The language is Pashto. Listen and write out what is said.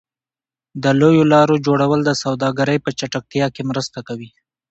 د لویو لارو جوړول د سوداګرۍ په چټکتیا کې مرسته کوي.